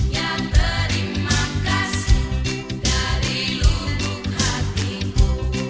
ya terima kasih dari lubung hatiku